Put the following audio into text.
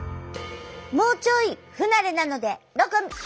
もうちょい不慣れなのでロコ２つ！